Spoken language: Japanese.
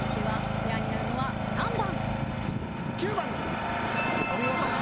ペアになるのは何番？